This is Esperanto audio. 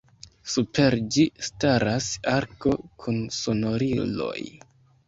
Super ĝi staras arko kun sonoriloj.